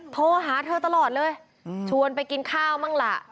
โทรหาเธอตลอดเลยชวนไปกินข้าวบ้างล่ะ